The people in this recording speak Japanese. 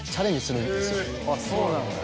そうなんだね。